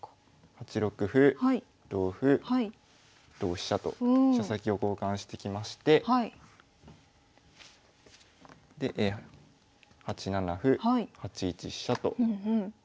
８六歩同歩同飛車と飛車先を交換してきましてで８七歩８一飛車と進みます。